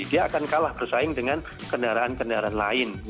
dia akan kalah bersaing dengan kendaraan kendaraan lain